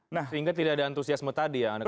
sehingga tidak ada antusiasme tadi ya anda katakan